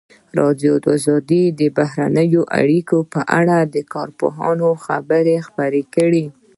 ازادي راډیو د بهرنۍ اړیکې په اړه د کارپوهانو خبرې خپرې کړي.